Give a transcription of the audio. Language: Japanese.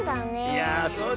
いやあそうだね。